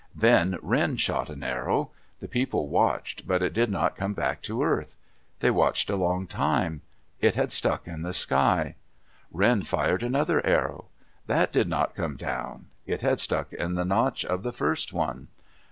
Then Wren shot an arrow. The people watched, but it did not come back to earth. They watched a long time. It had stuck in the sky. Wren fired another arrow. That did not come down. It had stuck in the notch of the first one.